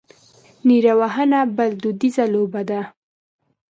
نیره وهنه بله دودیزه لوبه ده.